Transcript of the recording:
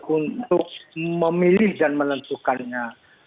untuk memilih dan menentukannya